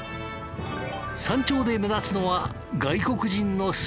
山頂で目立つのは外国人の姿。